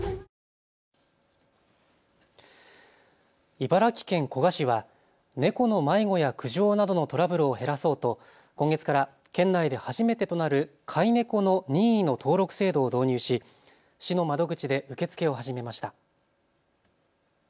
茨城県古河市はネコの迷子や苦情などのトラブルを減らそうと今月から県内で初めてとなる飼いネコの任意の登録制度を導入し市の窓口で受け付けを始めました。